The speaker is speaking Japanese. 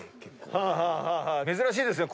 珍しいですよ。